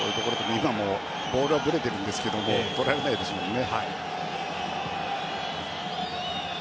今も、ボールがぶれていますがとられないですもんね。